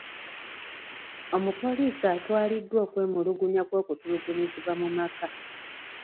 Omupoliisi atwaliddwa okwemulugunya kw'okutulugunyizibwa mu maka.